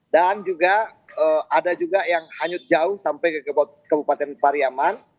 dan juga ada juga yang hanyut jauh sampai ke kabupaten pariaman